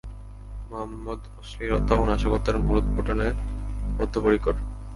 মুহাম্মাদ অশ্লীলতা ও নাশকতার মূলোৎপাটনে বদ্ধপরিকর।